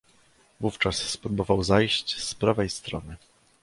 "Wówczas spróbował zajść z prawej strony."